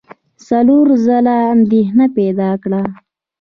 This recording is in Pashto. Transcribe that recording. هلو ځلو اندېښنه پیدا کړه.